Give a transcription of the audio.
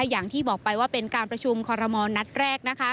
อย่างที่บอกไปว่าเป็นการประชุมคอรมณ์นัดแรก